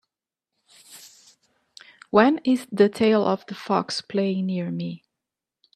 When is The Tale of the Fox playing near me